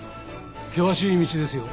険しい道ですよ。